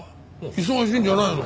忙しいんじゃないの？